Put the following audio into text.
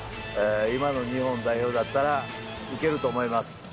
今の日本代表だったらいけると思います。